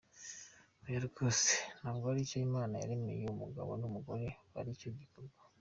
Oya rwose, ntabwo aricyo Imana yaremeye umugabo n’umugore muri icyo gikorwa.